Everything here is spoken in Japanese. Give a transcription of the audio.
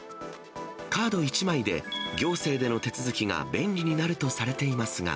カード１枚で行政での手続きが便利になるとされていますが。